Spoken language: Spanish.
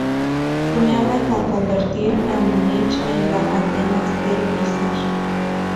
Soñaba con convertir a Múnich en la "Atenas del Isar".